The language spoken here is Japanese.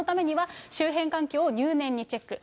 そのためには周辺環境を入念にチェック。